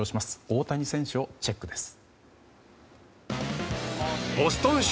大谷選手をチェックです。